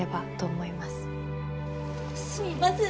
すみません。